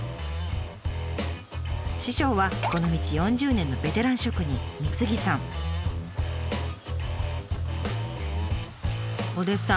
師匠はこの道４０年のベテラン職人お弟子さん